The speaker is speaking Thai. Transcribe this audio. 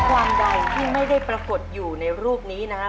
ความใดที่ไม่ได้ปรากฏอยู่ในรูปนี้นะครับ